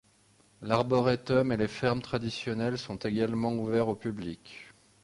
L'arboretum et les fermes traditionnelles sont également ouverts au public.